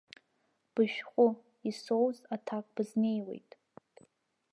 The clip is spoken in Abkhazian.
Бышәҟәы, исоуз аҭак бызнеиуеит.